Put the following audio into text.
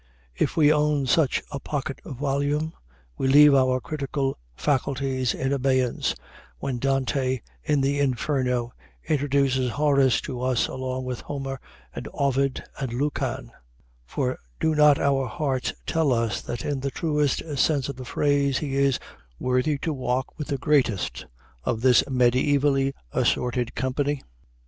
If we own such a pocket volume, we leave our critical faculties in abeyance when Dante, in the Inferno, introduces Horace to us along with Homer and Ovid and Lucan; for do not our hearts tell us that in the truest sense of the phrase, he is worthy to walk with the greatest of this mediævally assorted company?